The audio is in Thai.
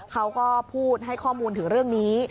เขาก็พูดให้ข้อมูลถึงเรื่องนี้